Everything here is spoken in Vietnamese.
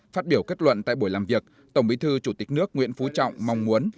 phát biểu kết luận tại buổi làm việc tổng bí thư chủ tịch nước nguyễn phú trọng mong muốn